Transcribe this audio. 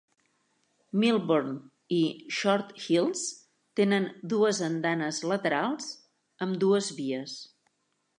Millburn i Short Hills tenen dues andanes laterals, amb dues vies.